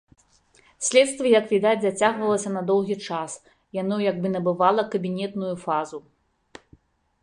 Следства, як відаць, зацягвалася на доўгі час, яно як бы набывала кабінетную фазу.